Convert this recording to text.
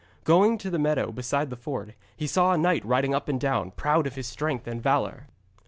Going to the meadow beside the ford, he saw a knight riding up and down, proud of his strength and valour.